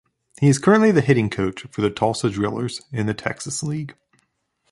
He is currently the hitting coach for the Tulsa Drillers in the Texas League.